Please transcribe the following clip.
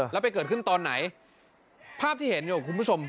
แล้วไปเกิดขึ้นตอนไหนภาพที่เห็นอยู่คุณผู้ชม